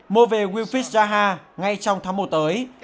mua về wilfis zaha ngay trong tháng một tới